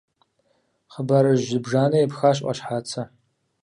Хъыбарыжь зыбжанэ епхащ Ӏуащхьацэ.